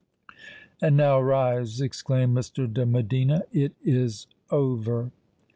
"And now rise," exclaimed Mr. de Medina. "It is over."